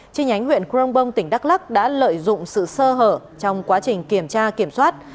trên nhánh huyện crong bong tỉnh đắk lắc đã lợi dụng sự sơ hở trong quá trình kiểm tra kiểm soát